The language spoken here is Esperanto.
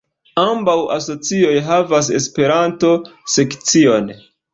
Ambaŭ asocioj havas Esperanto-sekcion.